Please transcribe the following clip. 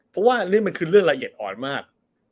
เพราะว่านี่คือเรื่องละเอียดอ่อนมาก